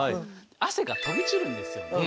汗が飛び散るんですよね。